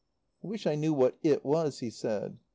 "I wish I knew what It was," he said.